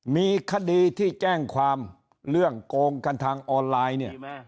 มีคดีที่แจ้งความเรื่องโกงกันทางออนไลน์เนี่ย